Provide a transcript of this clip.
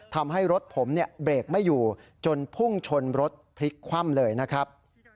ทำให้รถผมเนี่ยเบรกไม่อยู่จนพุ่งชนรถพลิกคว่ำเลยนะครับ